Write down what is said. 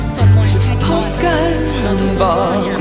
จะพบกันอีกได้ไหม